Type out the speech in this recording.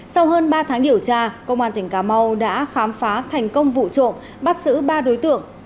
sau hơn ba tháng điều tra công an tỉnh cà mau đã khám phá thành công vụ trộm bắt xử ba đối tượng